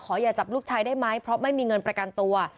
อย่าจับลูกชายได้ไหมเพราะไม่มีเงินประกันตัว